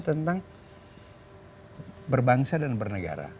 tentang berbangsa dan bernegara